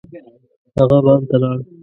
هغه بام ته لاړ.